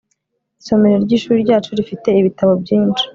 isomero ryishuri ryacu rifite ibitabo byinshi